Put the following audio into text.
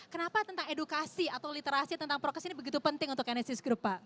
kenapa tentang edukasi atau literasi tentang prokes ini begitu penting untuk nsis group pak